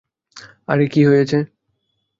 আরে, কী হয়েছে?